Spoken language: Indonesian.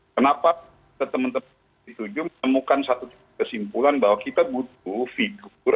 kenapa teman teman di tujuh menemukan satu kesimpulan bahwa kita butuh figur